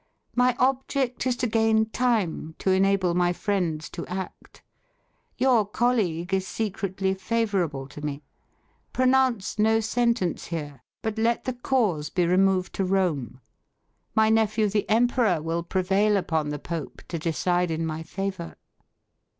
My object is to gain time to enable my friends to act. Your colleague is secretly favourable to me. Pronounce no sentence here, but let the cause be removed to Rome. My nephew the emperor will prevail upon the Pope to decide in my favour."